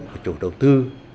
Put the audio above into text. của chủ đầu tư